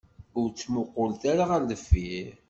Ur ttmuqulet ara ɣer deffir.